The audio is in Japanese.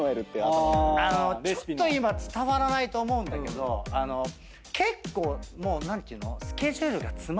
ちょっと今伝わらないと思うんだけど結構もう何ていうの？